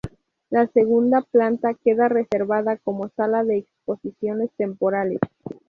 La segunda planta queda reservada como sala de exposiciones temporales.